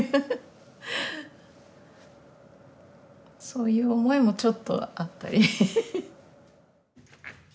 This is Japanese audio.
そういう思いもちょっとあったり。